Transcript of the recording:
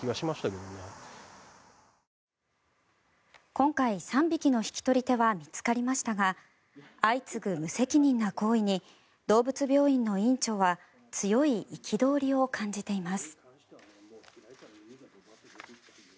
今回、３匹の引き取り手は見つかりましたが相次ぐ無責任な行為に動物病院の院長は強い憤りを感じています。